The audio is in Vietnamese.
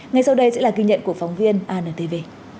ngay sau đây sẽ là ghi nhận của phóng viên antv